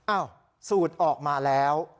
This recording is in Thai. อ้าวสูตรออกมาแล้ว